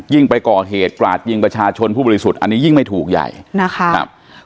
ยิ่งประกอบเหตุกราชยิ่งประชาชนผู้บริสุทธิ์อันนี้ยิ่งไม่ถูกใหญ่นะคะ